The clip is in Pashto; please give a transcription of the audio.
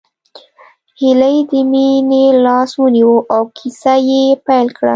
هيلې د مينې لاس ونيو او کيسه يې پيل کړه